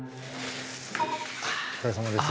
お疲れさまです。